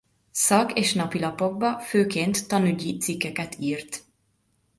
Szak- és napilapokba főként tanügyi cikkeket írt.